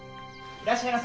いらっしゃいませ！